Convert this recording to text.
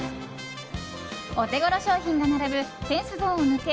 オテゴロ商品が並ぶフェンスゾーンを抜け